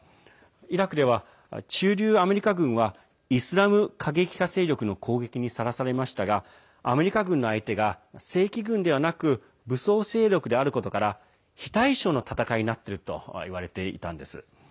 イラクでは、駐留アメリカ軍はイスラム過激派勢力の攻撃にさらされましたがアメリカ軍の相手が正規軍ではなく武装勢力であることから非対称の戦いになっているといわれていたんです。